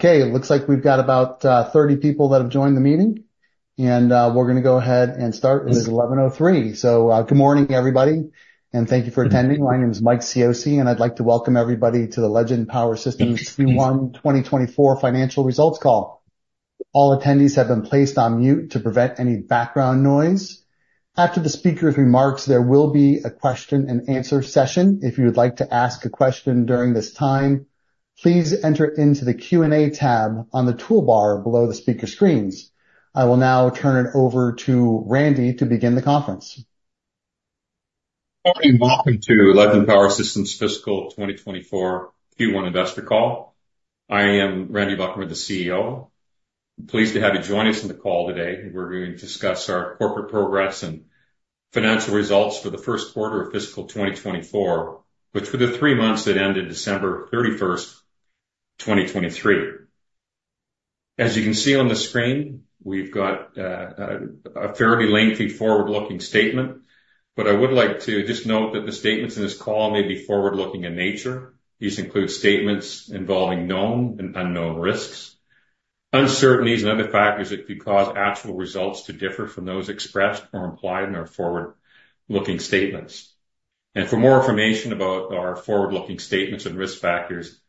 Okay, it looks like we've got about 30 people that have joined the meeting, and we're gonna go ahead and start. It is 11:03 A.M. So good morning, everybody, and thank you for attending. My name is Mike Cioce, and I'd like to welcome everybody to the Legend Power Systems Q1 2024 financial results call. All attendees have been placed on mute to prevent any background noise. After the speaker's remarks, there will be a question-and-answer session. If you would like to ask a question during this time, please enter into the Q&A tab on the toolbar below the speaker screens. I will now turn it over to Randy to begin the conference. Welcome to Legend Power Systems Fiscal 2024 Q1 investor call. I am Randy Buchamer, the CEO. Pleased to have you join us on the call today, and we're going to discuss our corporate progress and financial results for the first quarter of fiscal 2024, which were the three months that ended December 31st, 2023. As you can see on the screen, we've got a fairly lengthy forward-looking statement, but I would like to just note that the statements in this call may be forward-looking in nature. These include statements involving known and unknown risks, uncertainties, and other factors that could cause actual results to differ from those expressed or implied in our forward-looking statements. For more information about our forward-looking statements and Risk Factors,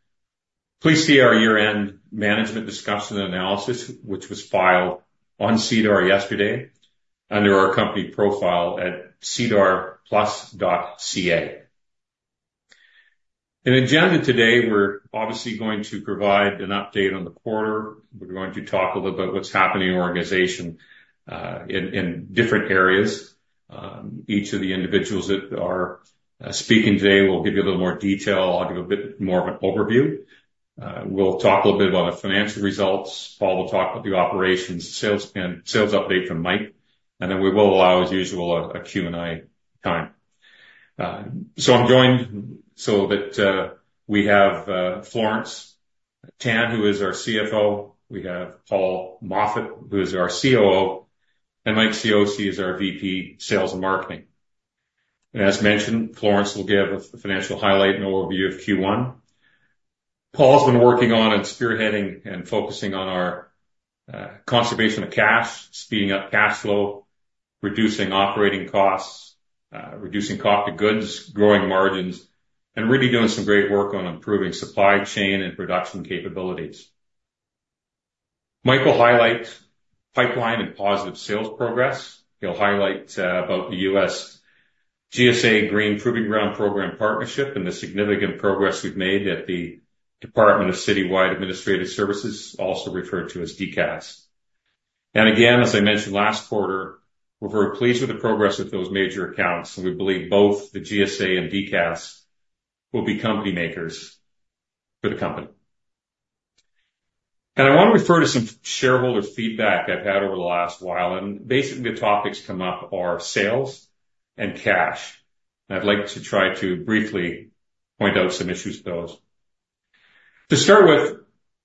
please see our year-end management discussion and analysis, which was filed on SEDAR yesterday under our company profile at sedarplus.ca. the agenda today, we're obviously going to provide an update on the quarter. We're going to talk a little about what's happening in our organization in different areas. Each of the individuals that are speaking today will give you a little more detail. I'll give a bit more of an overview. We'll talk a little bit about our financial results. Paul will talk about the operations, sales and sales update from Mike, and then we will allow, as usual, a Q&A time. So I'm joined so that we have Florence Tan, who is our CFO. We have Paul Moffat, who is our COO, and Mike Cioce is our VP, Sales and Marketing. As mentioned, Florence will give a financial highlight and overview of Q1. Paul's been working on and spearheading and focusing on our conservation of cash, speeding up cash flow, reducing operating costs, reducing cost of goods, growing margins, and really doing some great work on improving supply chain and production capabilities. Mike will highlight pipeline and positive sales progress. He'll highlight about the U.S. GSA Green Proving Ground program partnership, and the significant progress we've made at the Department of Citywide Administrative Services, also referred to as DCAS. Again, as I mentioned last quarter, we're very pleased with the progress of those major accounts, and we believe both the GSA and DCAS will be company makers for the company. I want to refer to some shareholder feedback I've had over the last while, and basically, the topics come up are sales and cash. I'd like to try to briefly point out some issues with those. To start with,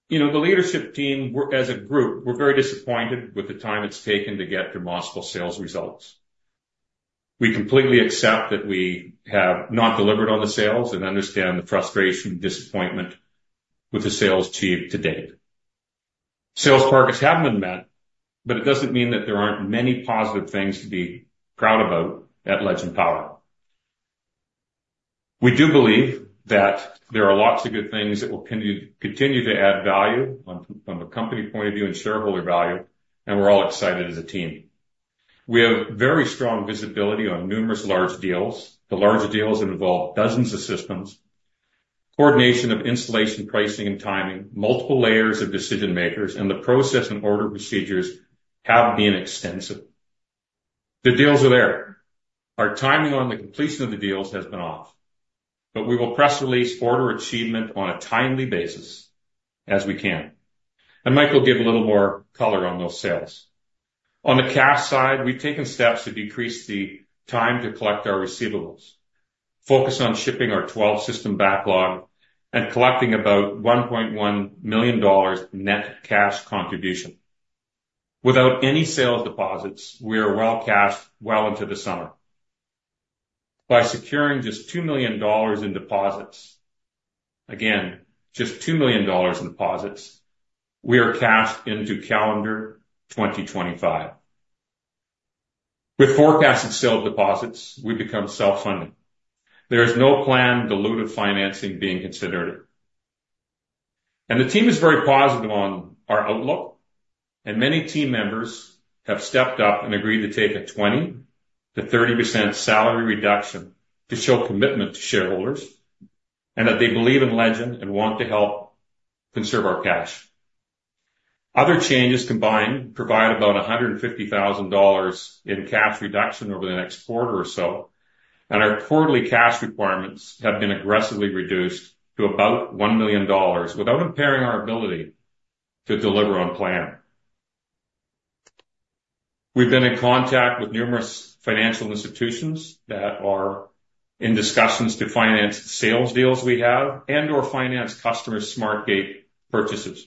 you know, the leadership team, we're, as a group, we're very disappointed with the time it's taken to get demonstrable sales results. We completely accept that we have not delivered on the sales and understand the frustration and disappointment with the sales to date. Sales targets haven't been met, but it doesn't mean that there aren't many positive things to be proud about at Legend Power. We do believe that there are lots of good things that will continue, continue to add value on, from a company point of view and shareholder value, and we're all excited as a team. We have very strong visibility on numerous large deals. The larger deals that involve dozens of systems, coordination of installation, pricing and timing, multiple layers of decision makers, and the process and order procedures have been extensive. The deals are there. Our timing on the completion of the deals has been off, but we will press release order achievement on a timely basis as we can, and Mike will give a little more color on those sales. On the cash side, we've taken steps to decrease the time to collect our receivables, focus on shipping our 12-system backlog, and collecting about 1.1 million dollars net cash contribution. Without any sales deposits, we are well cashed into the summer. By securing just 2 million dollars in deposits, again, just 2 million dollars in deposits, we are cashed into calendar 2025. With forecasted sales deposits, we become self-funded. There is no plan dilutive financing being considered, and the team is very positive on our outlook, and many team members have stepped up and agreed to take a 20%-30% salary reduction to show commitment to shareholders, and that they believe in Legend and want to help conserve our cash. Other changes combined provide about 150,000 dollars in cash reduction over the next quarter or so, and our quarterly cash requirements have been aggressively reduced to about 1 million dollars without impairing our ability to deliver on plan. We've been in contact with numerous financial institutions that are in discussions to finance sales deals we have and/or finance customer SmartGATE purchases.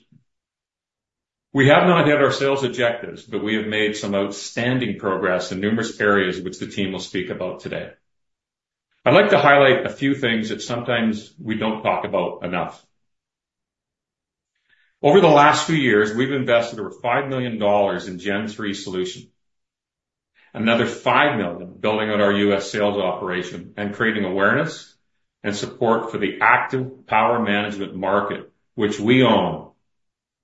We have not hit our sales objectives, but we have made some outstanding progress in numerous areas, which the team will speak about today. I'd like to highlight a few things that sometimes we don't talk about enough. Over the last few years, we've invested over $5 million in Gen 3 solution, another $5 million building out our U.S. sales operation and creating awareness and support for the Active Power Management market, which we own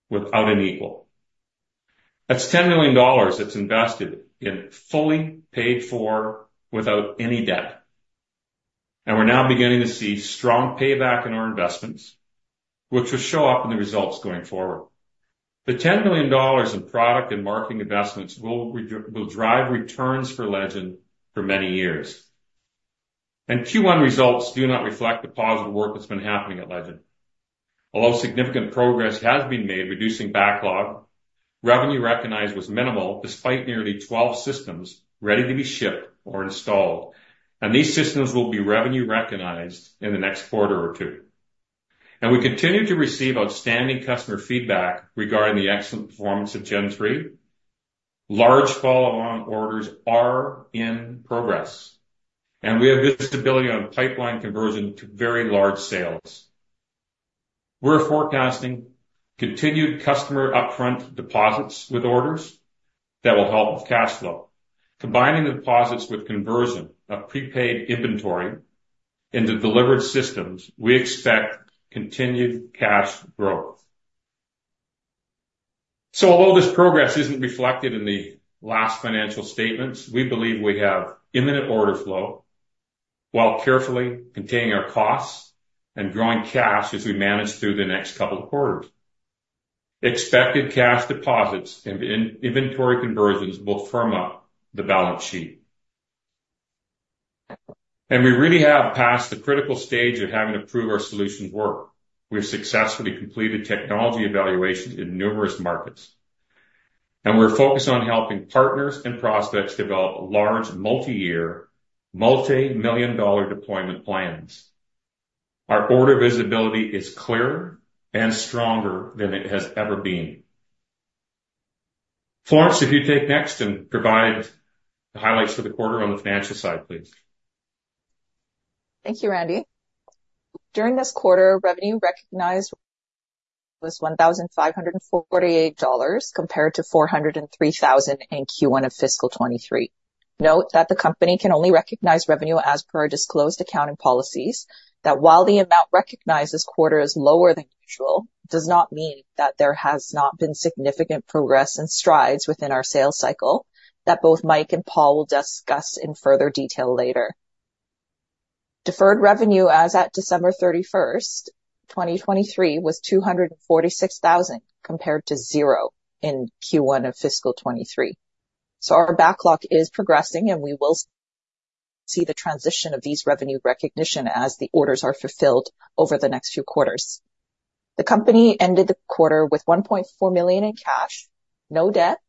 without an equal. That's $10 million that's invested and fully paid for without any debt, and we're now beginning to see strong payback in our investments, which will show up in the results going forward. The $10 million in product and marketing investments will drive returns for Legend for many years, and Q1 results do not reflect the positive work that's been happening at Legend. Although significant progress has been made, reducing backlog, revenue recognized was minimal, despite nearly 12 systems ready to be shipped or installed, and these systems will be revenue recognized in the next quarter or two. We continue to receive outstanding customer feedback regarding the excellent performance of Gen 3. Large follow-on orders are in progress, and we have visibility on pipeline conversion to very large sales. We're forecasting continued customer upfront deposits with orders that will help with cash flow. Combining the deposits with conversion of prepaid inventory into delivered systems, we expect continued cash growth. Although this progress isn't reflected in the last financial statements, we believe we have imminent order flow while carefully containing our costs and growing cash as we manage through the next couple of quarters. Expected cash deposits and in-inventory conversions will firm up the balance sheet. We really have passed the critical stage of having to prove our solutions work. We've successfully completed technology evaluations in numerous markets, and we're focused on helping partners and prospects develop large, multi-year, multi-million-dollar deployment plans. Our order visibility is clearer and stronger than it has ever been. Florence, if you'd take next and provide the highlights for the quarter on the financial side, please. Thank you, Randy. During this quarter, revenue recognized was 1,548 dollars, compared to 403,000 in Q1 of Fiscal 2023. Note that the company can only recognize revenue as per our disclosed accounting policies, that while the amount recognized this quarter is lower than usual, does not mean that there has not been significant progress and strides within our sales cycle, that both Mike and Paul will discuss in further detail later. Deferred revenue as at December 31st, 2023, was 246,000, compared to 0 in Q1 of fiscal 2023. So our backlog is progressing, and we will see the transition of these revenue recognition as the orders are fulfilled over the next few quarters. The company ended the quarter with 1.4 million in cash, no debt,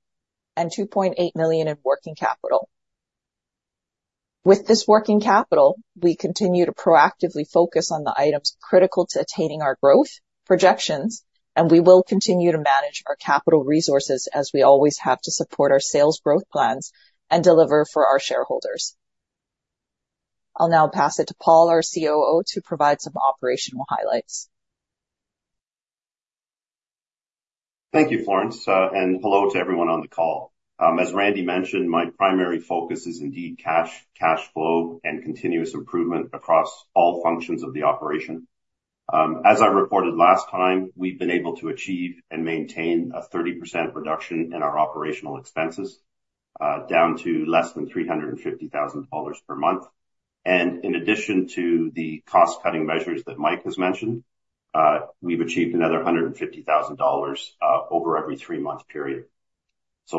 and 2.8 million in working capital. With this working capital, we continue to proactively focus on the items critical to attaining our growth projections, and we will continue to manage our capital resources as we always have, to support our sales growth plans and deliver for our shareholders. I'll now pass it to Paul, our COO, to provide some operational highlights. Thank you, Florence, and hello to everyone on the call. As Randy mentioned, my primary focus is indeed cash, cash flow, and continuous improvement across all functions of the operation. As I reported last time, we've been able to achieve and maintain a 30% reduction in our operational expenses, down to less than 350,000 dollars per month. In addition to the cost-cutting measures that Mike has mentioned, we've achieved another 150,000 dollars over every three-month period.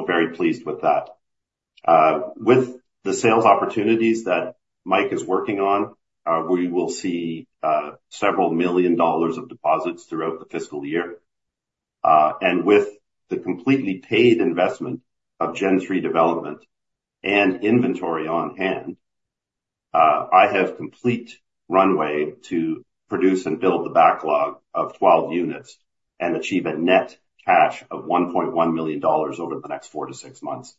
Very pleased with that. With the sales opportunities that Mike is working on, we will see several million CAD of deposits throughout the fiscal year. With the completely paid investment of Gen 3 development and inventory on hand, I have complete runway to produce and build the backlog of 12 units and achieve a net cash of 1.1 million dollars over the next 4-6 months.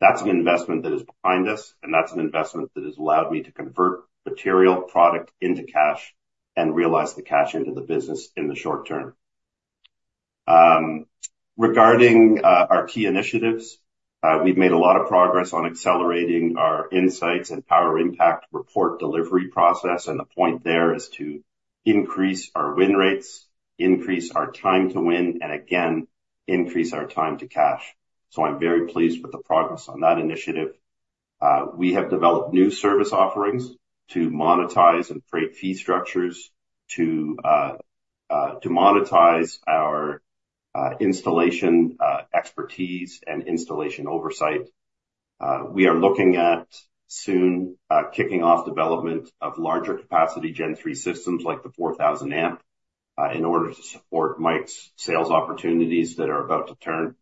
That's an investment that is behind us, and that's an investment that has allowed me to convert material product into cash and realize the cash into the business in the short-term. Regarding our key initiatives, we've made a lot of progress on accelerating our Insights and Power Impact Report delivery process, and the point there is to increase our win rates, increase our time to win, and again, increase our time to cash. So I'm very pleased with the progress on that initiative. We have developed new service offerings to monetize and create fee structures to monetize our installation expertise and installation oversight. We are looking at soon kicking off development of larger capacity Gen 3 systems, like the 4,000-amp, in order to support Mike's sales opportunities that are about to turn.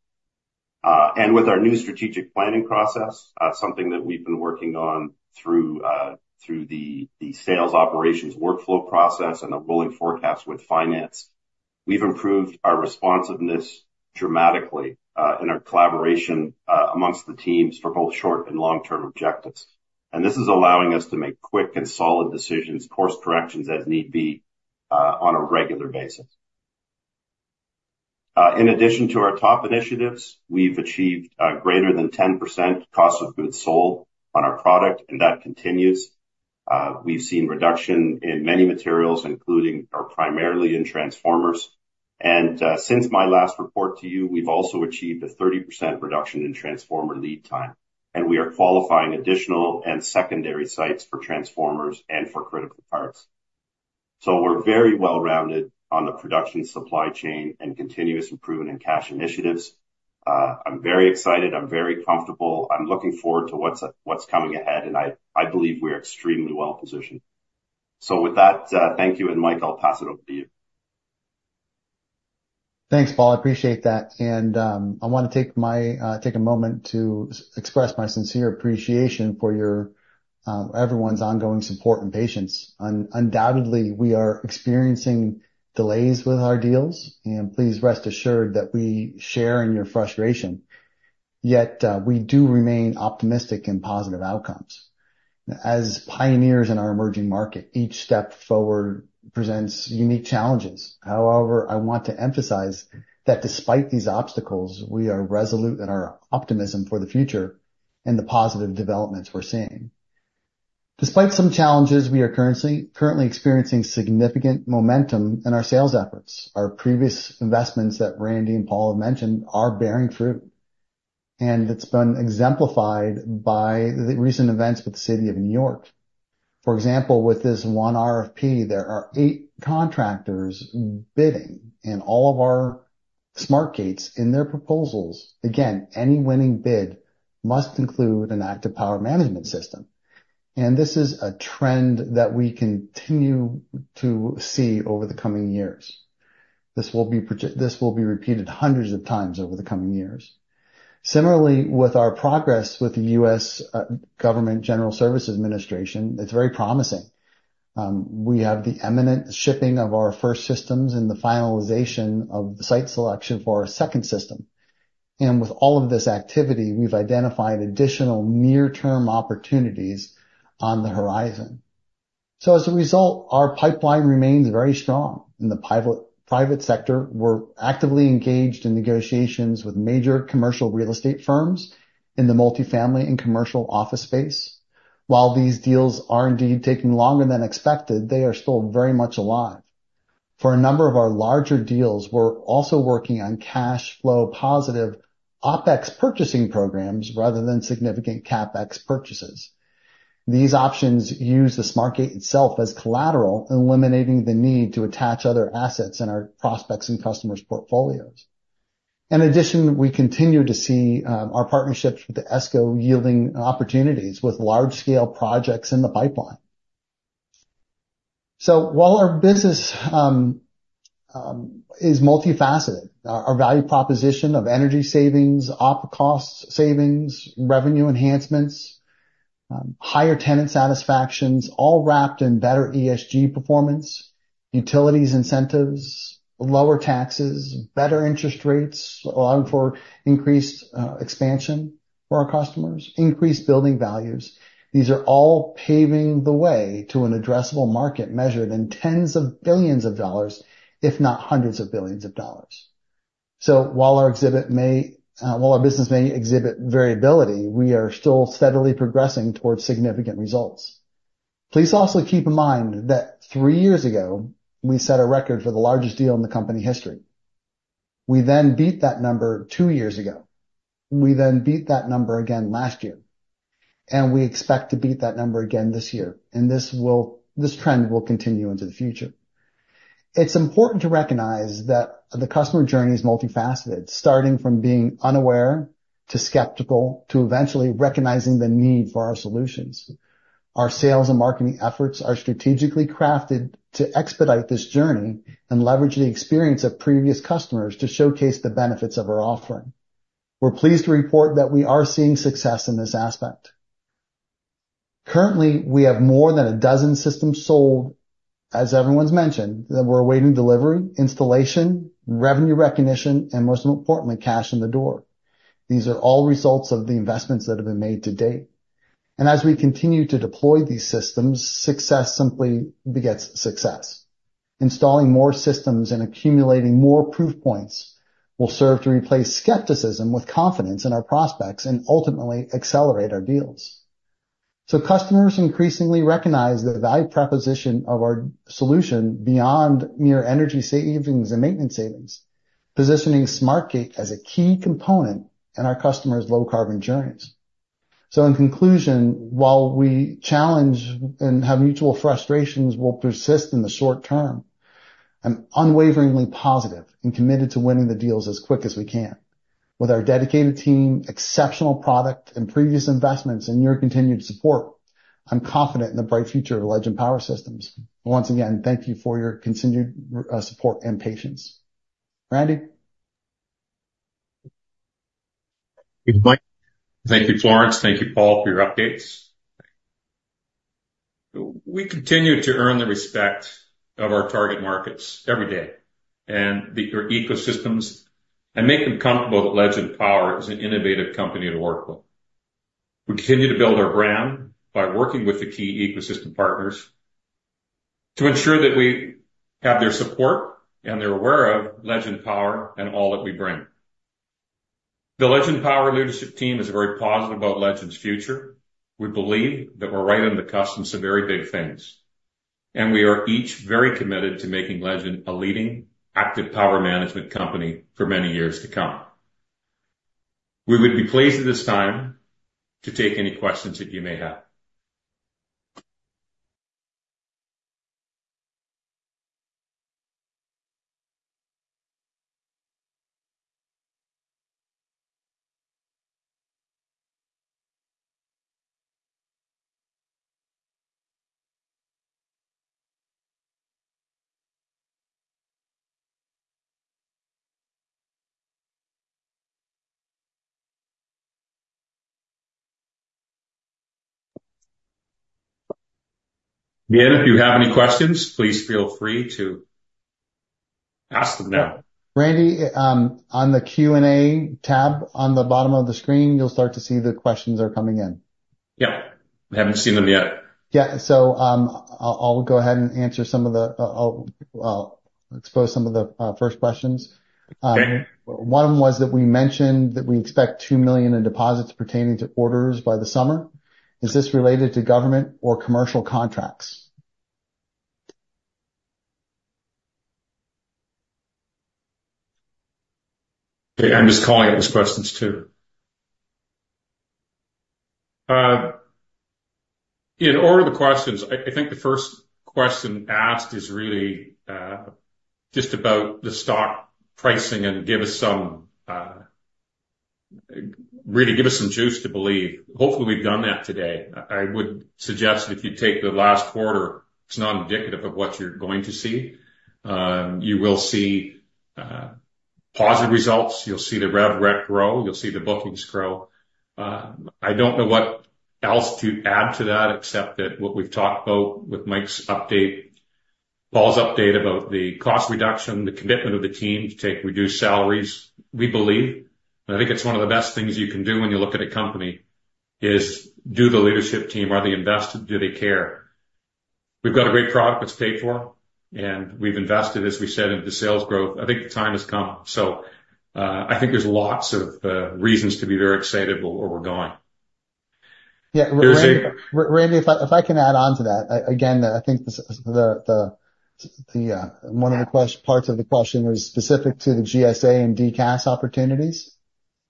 And with our new strategic planning process, something that we've been working on through the sales operations workflow process and the rolling forecast with finance. We've improved our responsiveness dramatically in our collaboration among the teams for both short- and long-term objectives. And this is allowing us to make quick and solid decisions, course corrections as need be, on a regular basis. In addition to our top initiatives, we've achieved greater than 10% cost of goods sold on our product, and that continues. We've seen reduction in many materials, including or primarily in transformers. And since my last report to you, we've also achieved a 30% reduction in transformer lead time, and we are qualifying additional and secondary sites for transformers and for critical parts. So we're very well-rounded on the production supply chain and continuous improvement in cash initiatives. I'm very excited. I'm very comfortable. I'm looking forward to what's, what's coming ahead, and I, I believe we're extremely well-positioned. So with that, thank you, and Mike, I'll pass it over to you. Thanks, Paul. I appreciate that. And, I want to take a moment to express my sincere appreciation for everyone's ongoing support and patience. Undoubtedly, we are experiencing delays with our deals, and please rest assured that we share in your frustration, yet we do remain optimistic in positive outcomes. As pioneers in our emerging market, each step forward presents unique challenges. However, I want to emphasize that despite these obstacles, we are resolute in our optimism for the future and the positive developments we're seeing. Despite some challenges, we are currently experiencing significant momentum in our sales efforts. Our previous investments that Randy and Paul have mentioned are bearing fruit, and it's been exemplified by the recent events with the City of New York. For example, with this one RFP, there are eight contractors bidding, and all of our SmartGATEs in their proposals. Again, any winning bid must include an Active Power Management system, and this is a trend that we continue to see over the coming years. This will be repeated hundreds of times over the coming years. Similarly, with our progress with the U.S. General Services Administration, it's very promising. We have the imminent shipping of our first systems and the finalization of the site selection for our second system. And with all of this activity, we've identified additional near-term opportunities on the horizon. So as a result, our pipeline remains very strong. In the private sector, we're actively engaged in negotiations with major commercial real estate firms in the multifamily and commercial office space. While these deals are indeed taking longer than expected, they are still very much alive. For a number of our larger deals, we're also working on cash flow positive OpEx purchasing programs rather than significant CapEx purchases. These options use the SmartGATE itself as collateral, eliminating the need to attach other assets in our prospects and customers' portfolios. In addition, we continue to see our partnerships with the ESCO yielding opportunities with large-scale projects in the pipeline. So while our business is multifaceted, our value proposition of energy savings, OpEx costs savings, revenue enhancements, higher tenant satisfactions, all wrapped in better ESG performance, utilities incentives, lower taxes, better interest rates, allowing for increased expansion for our customers, increased building values. These are all paving the way to an addressable market measured in tens of billions of dollars, if not hundreds of billions of dollars. So while our business may exhibit variability, we are still steadily progressing towards significant results. Please also keep in mind that three years ago, we set a record for the largest deal in the company history. We then beat that number two years ago. We then beat that number again last year, and we expect to beat that number again this year, and this trend will continue into the future. It's important to recognize that the customer journey is multifaceted, starting from being unaware, to skeptical, to eventually recognizing the need for our solutions. Our sales and marketing efforts are strategically crafted to expedite this journey and leverage the experience of previous customers to showcase the benefits of our offering. We're pleased to report that we are seeing success in this aspect. Currently, we have more than a dozen systems sold, as everyone's mentioned, that we're awaiting delivery, installation, revenue recognition, and most importantly, cash in the door. These are all results of the investments that have been made to date. As we continue to deploy these systems, success simply begets success. Installing more systems and accumulating more proof points will serve to replace skepticism with confidence in our prospects and ultimately accelerate our deals. Customers increasingly recognize the value proposition of our solution beyond mere energy savings and maintenance savings, positioning SmartGATE as a key component in our customers' low-carbon journeys. So in conclusion, while we challenge and have mutual frustrations will persist in the short-term, I'm unwaveringly positive and committed to winning the deals as quick as we can. With our dedicated team, exceptional product and previous investments, and your continued support, I'm confident in the bright future of Legend Power Systems. Once again, thank you for your continued support and patience. Randy? Thank you, Florence. Thank you, Paul, for your updates. We continue to earn the respect of our target markets every day and their ecosystems, and make them comfortable that Legend Power is an innovative company to work with. We continue to build our brand by working with the key ecosystem partners to ensure that we have their support, and they're aware of Legend Power and all that we bring. The Legend Power leadership team is very positive about Legend's future. We believe that we're right on the cusp of some very big things, and we are each very committed to making Legend a leading Active Power Management company for many years to come. We would be pleased at this time to take any questions that you may have. Again, if you have any questions, please feel free to ask them now. Randy, on the Q&A tab, on the bottom of the screen, you'll start to see the questions are coming in. Yeah. I haven't seen them yet. Yeah. So, I'll expose some of the first questions. Okay. One of them was that we mentioned that we expect 2 million in deposits pertaining to orders by the summer. Is this related to government or commercial contracts? Okay, I'm just calling out these questions, too. In order of the questions, I, I think the first question asked is really just about the stock pricing and give us some really give us some juice to believe. Hopefully, we've done that today. I, I would suggest that if you take the last quarter, it's not indicative of what you're going to see. You will see positive results. You'll see the Rev Rec grow. You'll see the bookings grow. I don't know what else to add to that, except that what we've talked about with Mike's update, Paul's update about the cost reduction, the commitment of the team to take reduced salaries. We believe, and I think it's one of the best things you can do when you look at a company, is do the leadership team, are they invested? Do they care? We've got a great product that's paid for, and we've invested, as we said, into sales growth. I think the time has come. So, I think there's lots of reasons to be very excited where we're going. Yeah. There's a- Randy, if I can add on to that. Again, I think the one of the parts of the question was specific to the GSA and DCAS opportunities.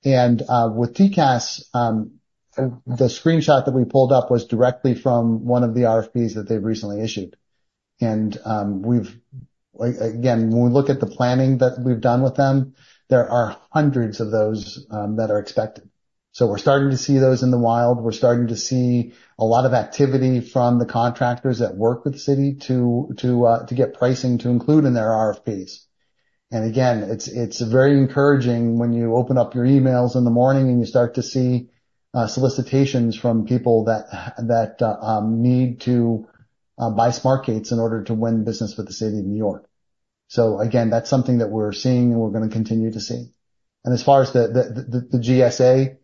And with DCAS, the screenshot that we pulled up was directly from one of the RFPs that they've recently issued. And we've. Again, when we look at the planning that we've done with them, there are hundreds of those that are expected. So we're starting to see those in the wild. We're starting to see a lot of activity from the contractors that work with the city to get pricing to include in their RFPs. And again, it's very encouraging when you open up your emails in the morning and you start to see solicitations from people that need to buy SmartGATEs in order to win business with the City of New York. So again, that's something that we're seeing, and we're gonna continue to see. And as far as the GSA,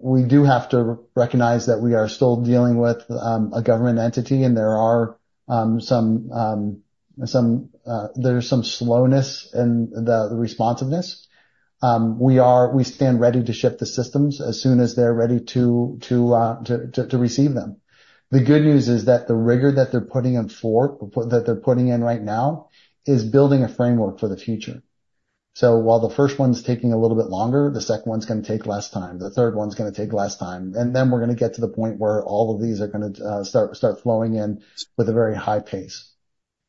we do have to recognize that we are still dealing with a government entity, and there is some slowness in the responsiveness. We stand ready to ship the systems as soon as they're ready to receive them. The good news is that the rigor that they're putting forth, that they're putting in right now, is building a framework for the future. So while the first one's taking a little bit longer, the second one's gonna take less time, the third one's gonna take less time, and then we're gonna get to the point where all of these are gonna start flowing in with a very high pace.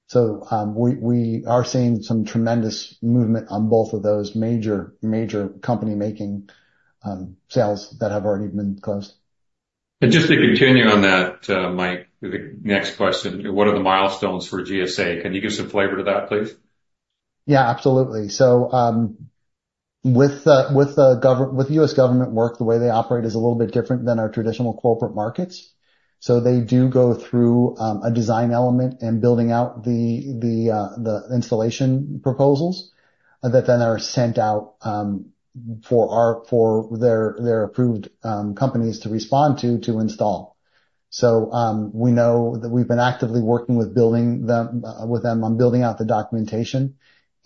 So, we are seeing some tremendous movement on both of those major, major company-making sales that have already been closed. Just to continue on that, Mike, the next question: What are the milestones for GSA? Can you give some flavor to that, please? Yeah, absolutely. So, with the U.S. government work, the way they operate is a little bit different than our traditional corporate markets. So they do go through a design element and building out the installation proposals that then are sent out for their approved companies to respond to, to install. So, we know that we've been actively working with them on building out the documentation,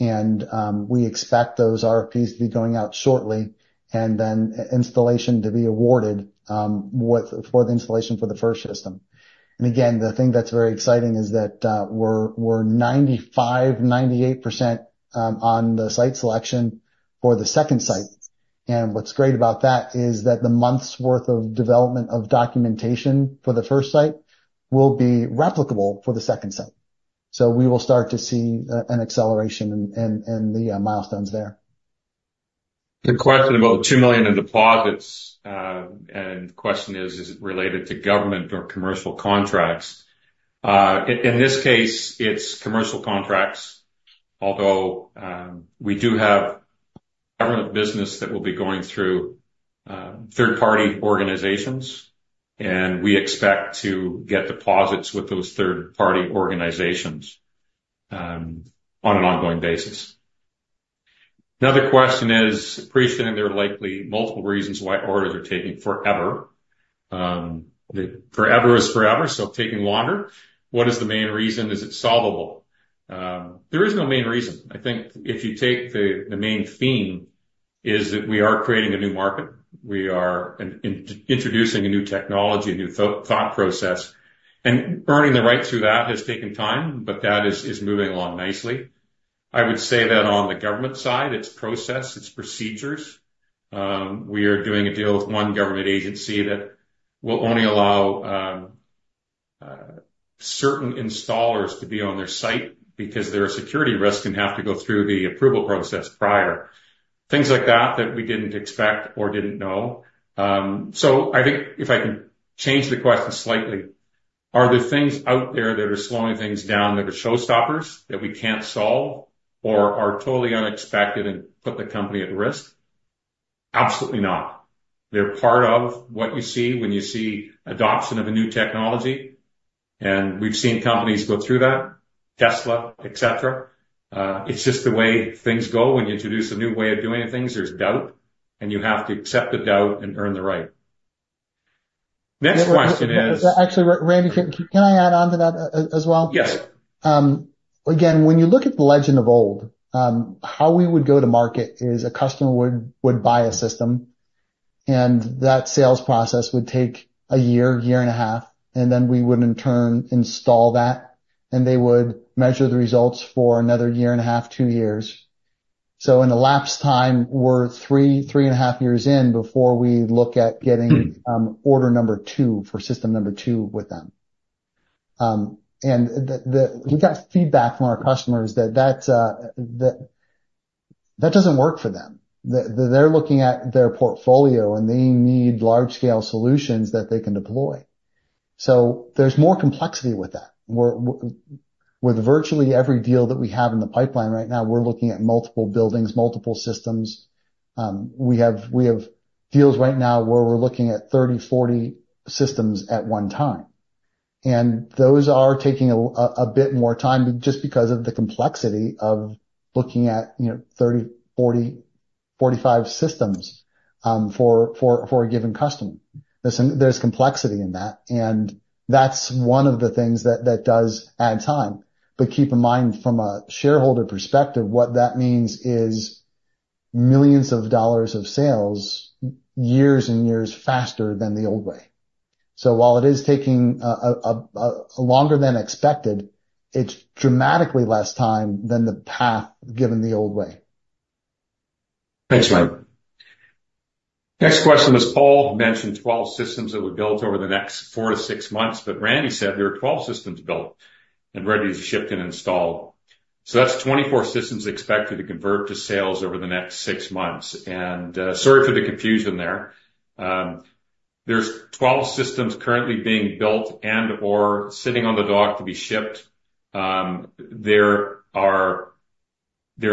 and we expect those RFPs to be going out shortly, and then installation to be awarded with for the installation for the first system. And again, the thing that's very exciting is that, we're 95%-98% on the site selection for the second site. And what's great about that is that the months' worth of development of documentation for the first site will be replicable for the second site. So we will start to see an acceleration and the milestones there. The question about the 2 million in deposits, and the question is: Is it related to government or commercial contracts? In this case, it's commercial contracts, although we do have government business that will be going through third-party organizations, and we expect to get deposits with those third-party organizations on an ongoing basis. Another question is, appreciating there are likely multiple reasons why orders are taking forever. The forever is forever, so taking longer. What is the main reason? Is it solvable? There is no main reason. I think if you take the main theme, is that we are creating a new market. We are introducing a new technology, a new thought process, and earning the right to that has taken time, but that is moving along nicely. I would say that on the government side, it's process, it's procedures. We are doing a deal with one government agency that will only allow certain installers to be on their site because they're a security risk and have to go through the approval process prior. Things like that, that we didn't expect or didn't know. So I think if I can change the question slightly, are there things out there that are slowing things down, that are showstoppers, that we can't solve or are totally unexpected and put the company at risk? Absolutely not. They're part of what you see when you see adoption of a new technology, and we've seen companies go through that, Tesla, et cetera. It's just the way things go when you introduce a new way of doing things. There's doubt, and you have to accept the doubt and earn the right. Next question is- Actually, Randy, can I add on to that as well? Yes. Again, when you look at the Legend of old, how we would go to market is a customer would buy a system, and that sales process would take a year, year and a half, and then we would in turn install that, and they would measure the results for another year and 1.5, 2 years. So in a lapsed time, we're 3, 3.5 years in before we look at getting- Order number 2 for system number 2 with them. We got feedback from our customers that that doesn't work for them. They're looking at their portfolio, and they need large-scale solutions that they can deploy. So there's more complexity with that. We're with virtually every deal that we have in the pipeline right now, we're looking at multiple buildings, multiple systems. We have deals right now where we're looking at 30, 40 systems at one time, and those are taking a bit more time just because of the complexity of looking at, you know, 30, 40, 45 systems for a given customer. There's complexity in that, and that's one of the things that does add time. But keep in mind, from a shareholder perspective, what that means is millions of dollars of sales, years and years faster than the old way. So while it is taking a longer than expected, it's dramatically less time than the path given the old way. Thanks, Mike. Next question is, Paul mentioned 12 systems that were built over the next 4-6 months, but Randy said there are 12 systems built and ready to ship and install. So that's 24 systems expected to convert to sales over the next 6 months. And, sorry for the confusion there. There's 12 systems currently being built and/or sitting on the dock to be shipped. They're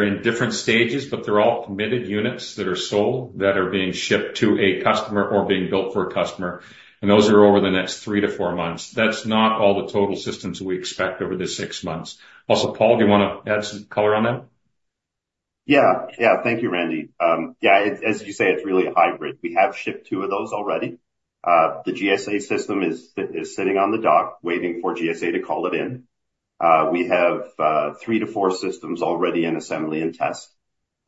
in different stages, but they're all committed units that are sold, that are being shipped to a customer or being built for a customer, and those are over the next 3-4 months. That's not all the total systems we expect over the 6 months. Also, Paul, do you want to add some color on that? Yeah. Yeah. Thank you, Randy. Yeah, as you say, it's really a hybrid. We have shipped two of those already. The GSA system is sitting on the dock, waiting for GSA to call it in. We have 3-4 systems already in assembly and test.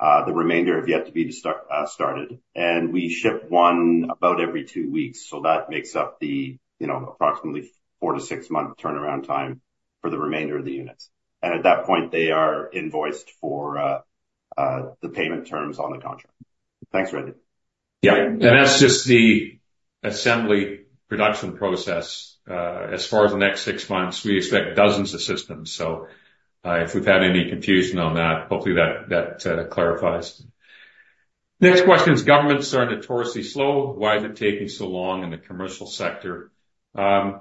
The remainder have yet to be started, and we ship one about every two weeks, so that makes up the, you know, approximately 4-6-month turnaround time for the remainder of the units. And at that point, they are invoiced for the payment terms on the contract. Thanks, Randy. Yeah, and that's just the assembly production process. As far as the next six months, we expect dozens of systems, so, if we've had any confusion on that, hopefully that clarifies. Next question is, governments are notoriously slow. Why is it taking so long in the commercial sector? My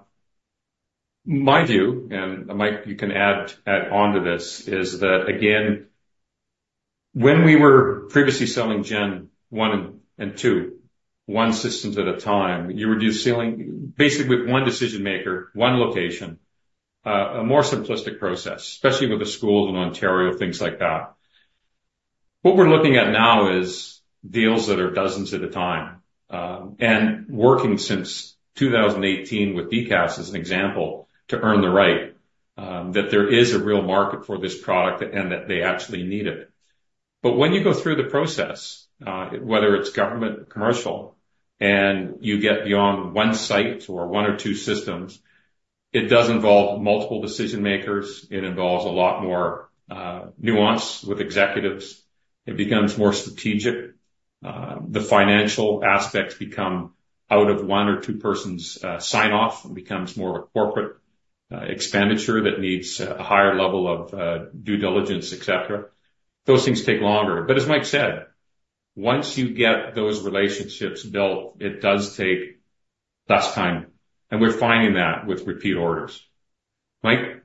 view, and Mike, you can add on to this, is that again, when we were previously selling Gen 1 and Gen 2, one systems at a time, you were just selling basically with one decision-maker, one location, a more simplistic process, especially with the schools in Ontario, things like that. What we're looking at now is deals that are dozens at a time, and working since 2018 with DCAS, as an example, to earn the right, that there is a real market for this product and that they actually need it. But when you go through the process, whether it's government or commercial, and you get beyond one site or one or two systems, it does involve multiple decision makers. It involves a lot more nuance with executives. It becomes more strategic. The financial aspects become out of one or two persons', sign-off and becomes more of a corporate expenditure that needs a higher level of due diligence, et cetera. Those things take longer. But as Mike said. Once you get those relationships built, it does take less time, and we're finding that with repeat orders. Mike?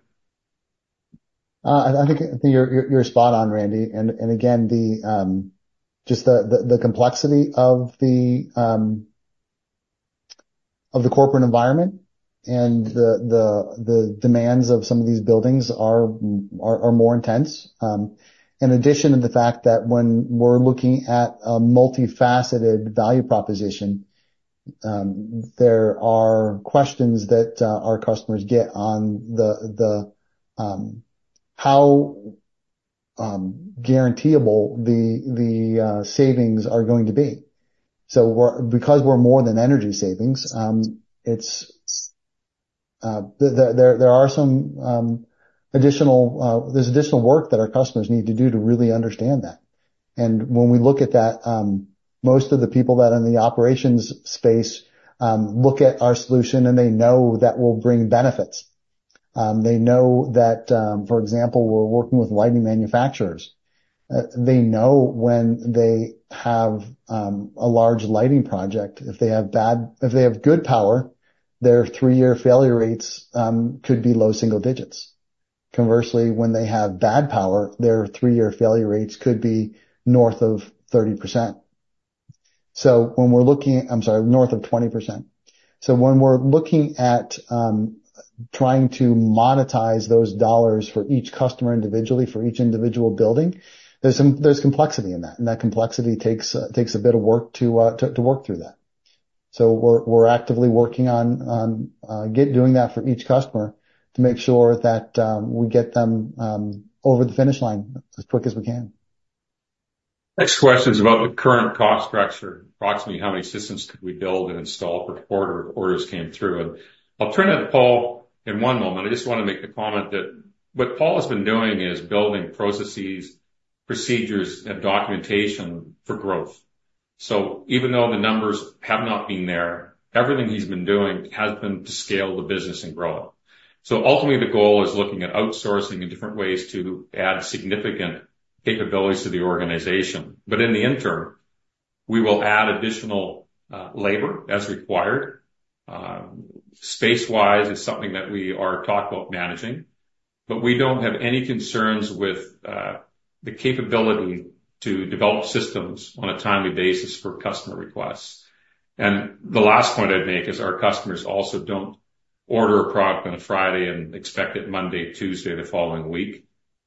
I think you're spot on, Randy. Again, just the complexity of the corporate environment and the demands of some of these buildings are more intense. In addition to the fact that when we're looking at a multifaceted value proposition, there are questions that our customers get on the how guaranteeable the savings are going to be. So we're, because we're more than energy savings, it's there are some additional, there's additional work that our customers need to do to really understand that. And when we look at that, most of the people that are in the operations space look at our solution, and they know that we'll bring benefits. They know that, for example, we're working with lighting manufacturers. They know when they have a large lighting project, if they have bad, if they have good power, their three-year failure rates could be low single digits. Conversely, when they have bad power, their three-year failure rates could be north of 30%. So when we're looking... I'm sorry, north of 20%. So when we're looking at trying to monetize those dollars for each customer individually, for each individual building, there's complexity in that, and that complexity takes a bit of work to work through that. So we're actively working on getting doing that for each customer to make sure that we get them over the finish line as quick as we can. Next question is about the current cost structure. Approximately how many systems could we build and install per quarter if orders came through? And I'll turn to Paul in one moment. I just want to make the comment that what Paul has been doing is building processes, procedures, and documentation for growth. So even though the numbers have not been there, everything he's been doing has been to scale the business and grow it. So ultimately, the goal is looking at outsourcing in different ways to add significant capabilities to the organization. But in the interim, we will add additional labor as required. space-wise, it's something that we are thoughtful of managing, but we don't have any concerns with the capability to develop systems on a timely basis for customer requests. The last point I'd make is our customers also don't order a product on a Friday and expect it Monday, Tuesday, the following week.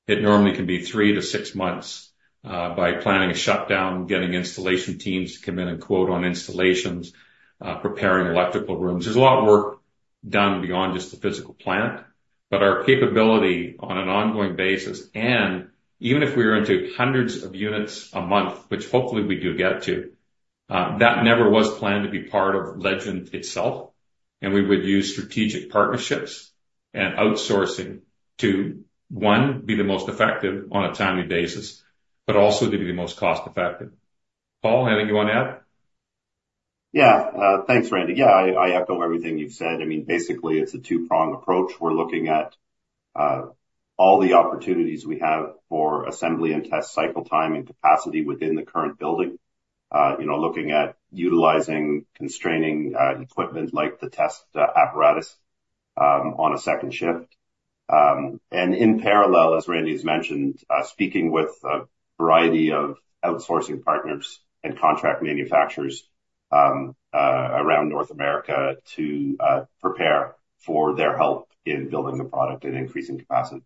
It normally can be three to six months by planning a shutdown, getting installation teams to come in and quote on installations, preparing electrical rooms. There's a lot of work done beyond just the physical plant, but our capability on an ongoing basis, and even if we were into hundreds of units a month, which hopefully we do get to, that never was planned to be part of Legend itself, and we would use strategic partnerships and outsourcing to, one, be the most effective on a timely basis, but also to be the most cost-effective. Paul, anything you want to add? Yeah. Thanks, Randy. Yeah, I echo everything you've said. I mean, basically, it's a two-pronged approach. We're looking at all the opportunities we have for assembly and test cycle time and capacity within the current building. You know, looking at utilizing, constraining, equipment, like the test apparatus, on a second shift. And in parallel, as Randy has mentioned, speaking with a variety of outsourcing partners and contract manufacturers, around North America to prepare for their help in building the product and increasing capacity.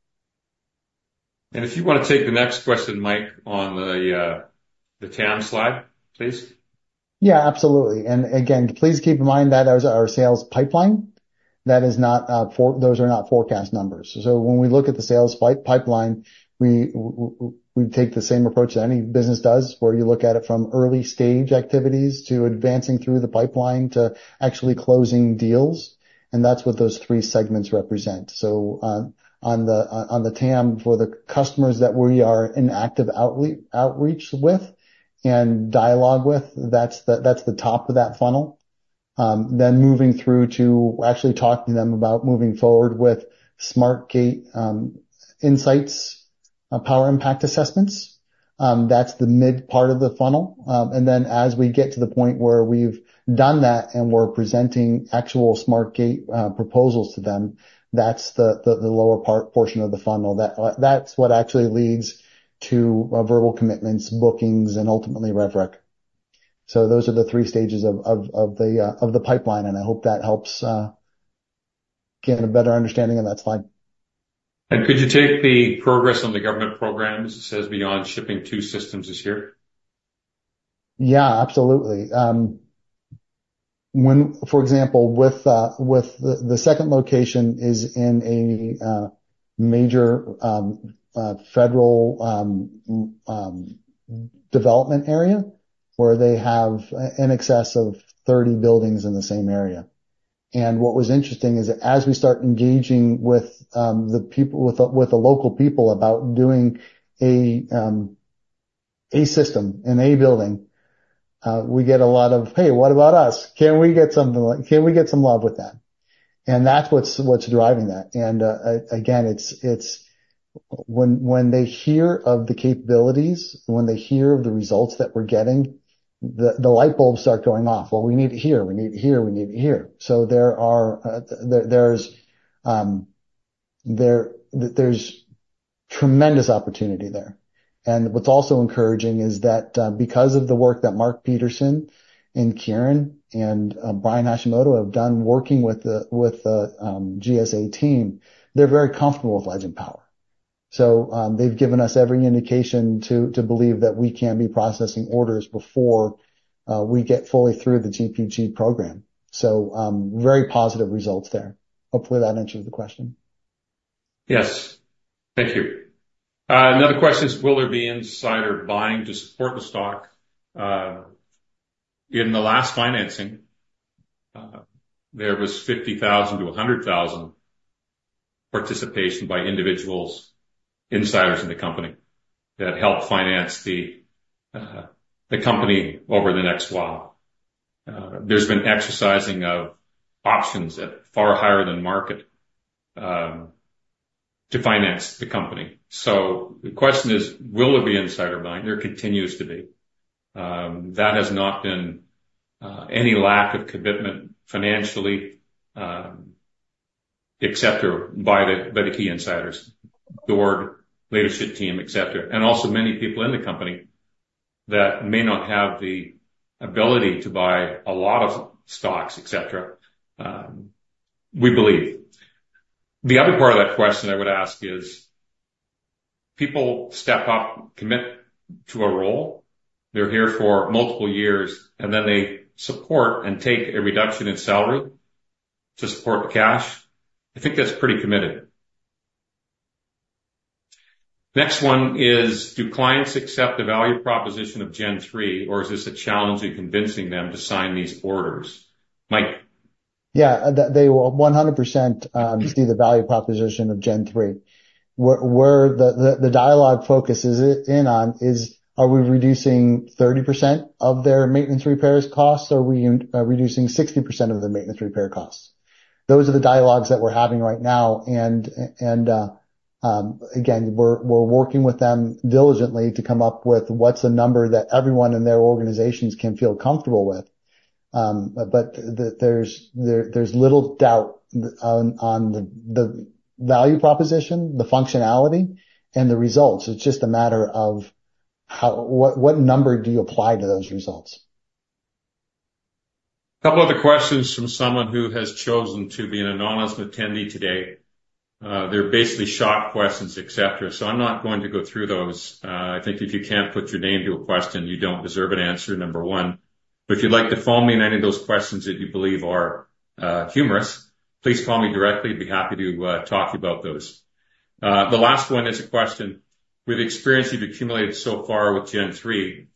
If you want to take the next question, Mike, on the TAM slide, please. Yeah, absolutely. And again, please keep in mind that is our sales pipeline. That is not, those are not forecast numbers. So when we look at the sales pipeline, we take the same approach that any business does, where you look at it from early stage activities to advancing through the pipeline to actually closing deals, and that's what those three segments represent. So, on the TAM, for the customers that we are in active outreach with and dialogue with, that's the top of that funnel. Then moving through to actually talking to them about moving forward with SmartGATE, Insights, Power Impact Assessments, that's the mid part of the funnel. And then as we get to the point where we've done that, and we're presenting actual SmartGATE proposals to them, that's the lower part portion of the funnel. That's what actually leads to verbal commitments, bookings, and ultimately Rev Rec. So those are the three stages of the pipeline, and I hope that helps get a better understanding of that slide. Could you take the progress on the government programs, it says, beyond shipping 2 systems this year? Yeah, absolutely. One, for example, with the second location is in a major federal development area, where they have in excess of 30 buildings in the same area. And what was interesting is that as we start engaging with the people, with the local people about doing a system in a building, we get a lot of, Hey, what about us? Can we get something like. Can we get some love with that? And that's what's driving that. And again, it's when they hear of the capabilities, when they hear of the results that we're getting, the light bulbs start going off. Well, we need it here, we need it here, we need it here. So there is tremendous opportunity there. What's also encouraging is that, because of the work that Mark Petersen and Kieran and Brian Hashimoto have done working with the GSA team, they're very comfortable with Legend Power. So, they've given us every indication to believe that we can be processing orders before we get fully through the GPG program. So, very positive results there. Hopefully, that answers the question. Yes. Thank you. Another question is, will there be insider buying to support the stock? In the last financing, there was 50,000-100,000 participation by individuals, insiders in the company, that helped finance the company over the next while. There's been exercising of options at far higher than market, to finance the company. So the question is, will there be insider buying? There continues to be. That has not been any lack of commitment financially, et cetera, by the key insiders, the board, leadership team, et cetera, and also many people in the company that may not have the ability to buy a lot of stocks, et cetera, we believe. The other part of that question I would ask is, people step up, commit to a role, they're here for multiple years, and then they support and take a reduction in salary to support the cash. I think that's pretty committed. Next one is: Do clients accept the value proposition of Gen 3, or is this a challenge in convincing them to sign these orders, Mike? Yeah, they will 100% see the value proposition of Gen 3. Where the dialogue focuses in on is, are we reducing 30% of their maintenance repairs costs, or are we reducing 60% of their maintenance repair costs? Those are the dialogues that we're having right now. And again, we're working with them diligently to come up with what's a number that everyone in their organizations can feel comfortable with. But there's little doubt on the value proposition, the functionality, and the results. It's just a matter of how what number do you apply to those results? A couple other questions from someone who has chosen to be an anonymous attendee today. They're basically shock questions, et cetera, so I'm not going to go through those. I think if you can't put your name to a question, you don't deserve an answer, number one. But if you'd like to phone me in any of those questions that you believe are, humorous, please call me directly. I'd be happy to, talk about those. The last one is a question: With the experience you've accumulated so far with Gen 3,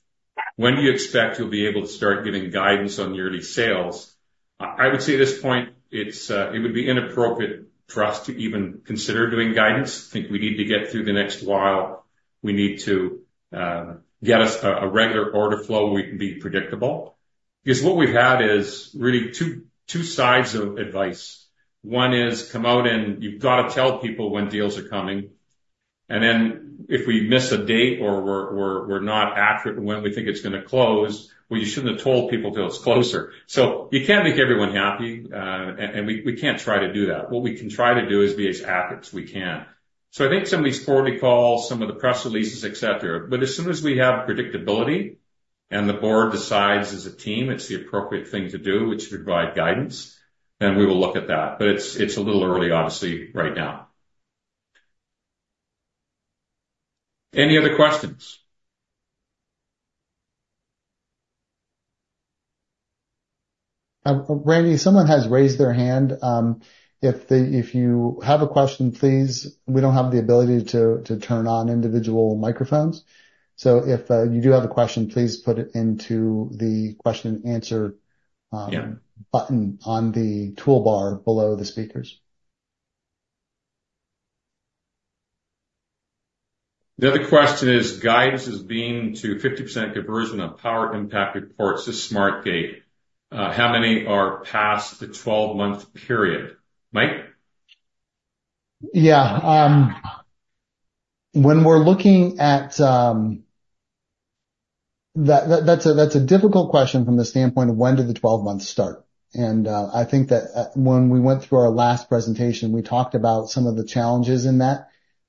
when do you expect you'll be able to start giving guidance on yearly sales? I would say at this point, it's, it would be inappropriate for us to even consider doing guidance. I think we need to get through the next while. We need to get us a regular order flow where we can be predictable. Because what we've had is really two sides of advice. One is, come out and you've got to tell people when deals are coming, and then if we miss a date or we're not accurate when we think it's gonna close, well, you shouldn't have told people till it's closer. So you can't make everyone happy, and we can't try to do that. What we can try to do is be as accurate as we can. So I think some of these quarterly calls, some of the press releases, et cetera. But as soon as we have predictability and the board decides as a team, it's the appropriate thing to do, which is provide guidance, then we will look at that. But it's a little early, obviously, right now. Any other questions? Randy, someone has raised their hand. If they if you have a question, please, we don't have the ability to turn on individual microphones, so if you do have a question, please put it into the question and answer. Yeah. button on the toolbar below the speakers. The other question is, guidance as being to 50% conversion of Power Impact Reports to SmartGATE. How many are past the 12-month period, Mike? Yeah, when we're looking at... That's a difficult question from the standpoint of when did the 12 months start? And, I think that, when we went through our last presentation, we talked about some of the challenges in that,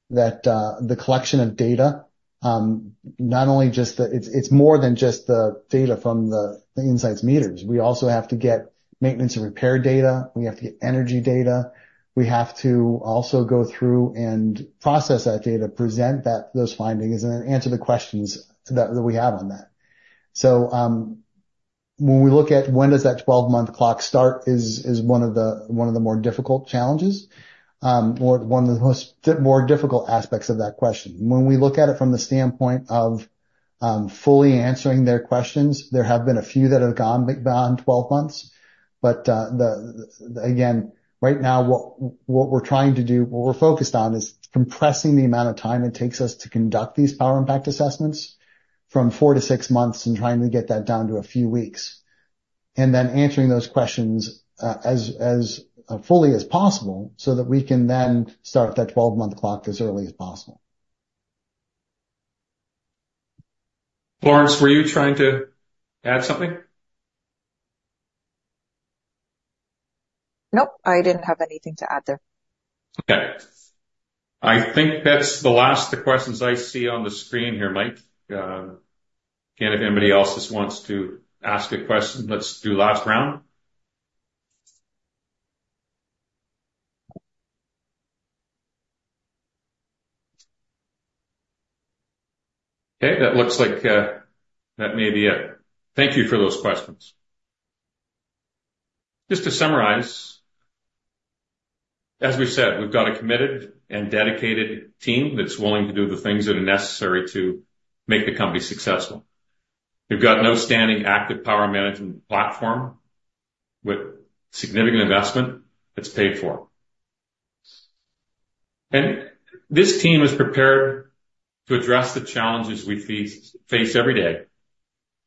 the collection of data, not only just the—it's more than just the data from the Insights meters. We also have to get maintenance and repair data. We have to get energy data. We have to also go through and process that data, present those findings, and then answer the questions that we have on that. So, when we look at when does that 12-month clock start, is one of the more difficult challenges, or one of the most more difficult aspects of that question. When we look at it from the standpoint of fully answering their questions, there have been a few that have gone beyond 12 months, but again, right now, what we're trying to do, what we're focused on, is compressing the amount of time it takes us to conduct these Power Impact Assessments from 4-6 months and trying to get that down to a few weeks, and then answering those questions as fully as possible, so that we can then start that 12-month clock as early as possible. Florence, were you trying to add something? Nope, I didn't have anything to add there. Okay. I think that's the last of the questions I see on the screen here, Mike. Again, if anybody else just wants to ask a question, let's do last round. Okay, that looks like that may be it. Thank you for those questions. Just to summarize, as we've said, we've got a committed and dedicated team that's willing to do the things that are necessary to make the company successful. We've got an outstanding Active Power Management platform with significant investment that's paid for. And this team is prepared to address the challenges we face every day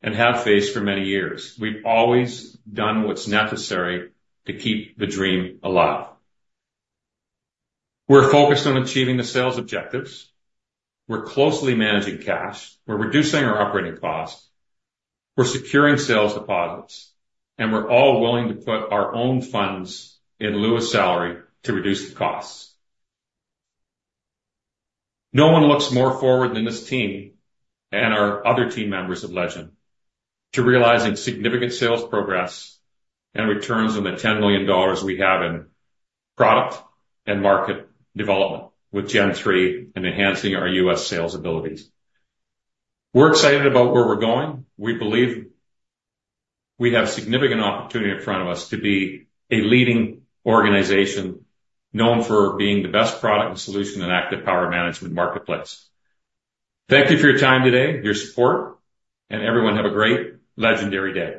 and have faced for many years. We've always done what's necessary to keep the dream alive. We're focused on achieving the sales objectives. We're closely managing cash. We're reducing our operating costs. We're securing sales deposits, and we're all willing to put our own funds in lieu of salary to reduce the costs. No one looks more forward than this team and our other team members at Legend to realizing significant sales progress and returns on the $10 million we have in product and market development with Gen 3 and enhancing our U.S. sales abilities. We're excited about where we're going. We believe we have significant opportunity in front of us to be a leading organization, known for being the best product and solution in Active Power management marketplace. Thank you for your time today, your support, and everyone, have a great legendary day.